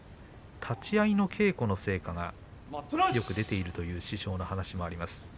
立ち合いの稽古の成果がよく出ているという師匠の話もありました